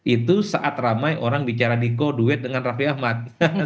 itu saat ramai orang bicara diko duet dengan raffi ahmad